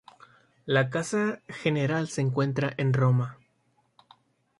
La casa general se encuentra en Roma.